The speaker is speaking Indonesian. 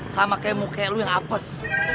sama kemuk kayak lo yang apes